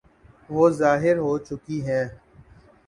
وہ ظاہر ہو چکی ہیں۔